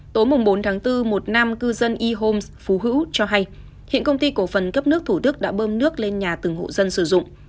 tối bốn tháng bốn một nam cư dân y homes phú hữu cho hay hiện công ty cổ phần cấp nước thủ đức đã bơm nước lên nhà từng hộ dân sử dụng